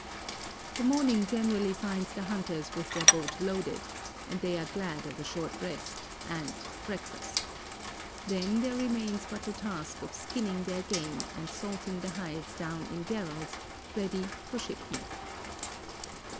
The morning generally finds the hunters with their boat loaded, and they are glad of a short rest and—breakfast. There then remains but the task of skinning their game and salting the hides down in barrels, ready for shipment.